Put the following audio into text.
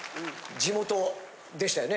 地元でしたよね？